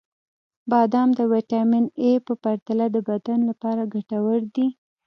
• بادام د ویټامین ای په پرتله د بدن لپاره ګټور دي.